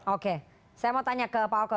oke saya mau tanya ke pak oke